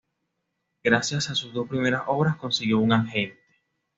Gracias a sus dos primeras obras consiguió un agente.